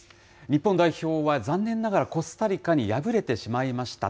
日本代表は残念ながらコスタリカに敗れてしまいました。